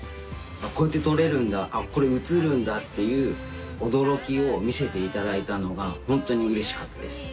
こうやって撮れるんだこれ写るんだっていう驚きを見せていただいたのがホントにうれしかったです。